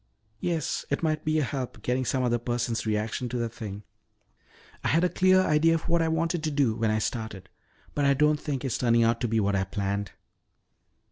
"Yes. It might be a help, getting some other person's reaction to the thing. I had a clear idea of what I wanted to do when I started but I don't think it's turning out to be what I planned."